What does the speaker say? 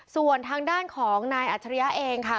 ส่วนทางด้านของนายอัจฉริยะเองค่ะ